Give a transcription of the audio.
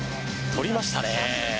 取りましたね。